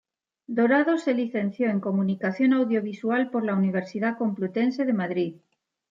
Dorado se licenció en Comunicación Audiovisual por la Universidad Complutense de Madrid.